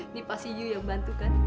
ini pasti yuk yang bantukan